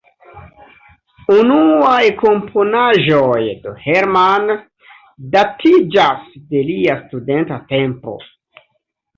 Unuaj komponaĵoj de Hermann datiĝas de lia studenta tempo.